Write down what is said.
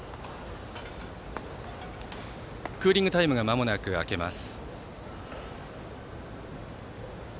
クーリングタイムがまもなく明けます。